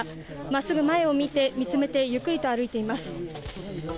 まっすぐ前を見つめてゆっくりと歩いています。